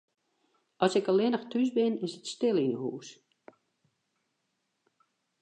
As ik allinnich thús bin, is it stil yn 'e hús.